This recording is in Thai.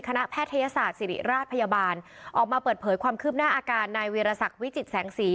แพทยศาสตร์ศิริราชพยาบาลออกมาเปิดเผยความคืบหน้าอาการนายวีรศักดิ์วิจิตแสงสี